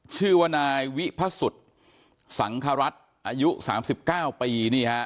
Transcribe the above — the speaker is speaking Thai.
ชื่อว่านายวิพสุทธิ์สังครัฐอายุ๓๙ปีนี่ฮะ